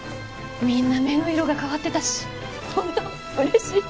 みんな目の色が変わってたし本当嬉しい。